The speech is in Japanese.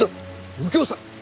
右京さん！